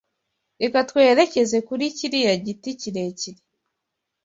Reka twerekeze kuri kiriya giti kirekire.